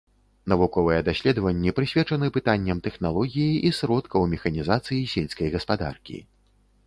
Навуковыя даследаванні прысвечаны пытанням тэхналогіі і сродкаў механізацыі сельскай гаспадаркі.